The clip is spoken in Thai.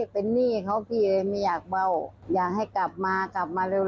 เป็นหนี้เขาพี่เลยไม่อยากเบ้าอยากให้กลับมากลับมาเร็ว